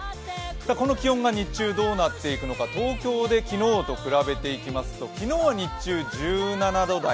この気温が日中どうなっていくのか、東京で昨日と比べていきますと昨日は日中、１７度台。